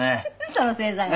その正座が。